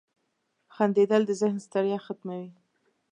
• خندېدل د ذهن ستړیا ختموي.